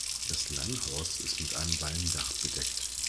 Das Langhaus ist mit einem Walmdach bedeckt.